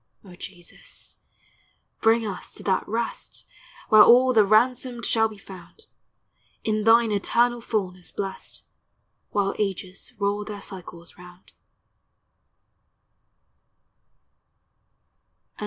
O Jesus, bring us to that rest, Where all the ransomed shall be found, In thine eternal fulness blest, While ages roll their cycles round.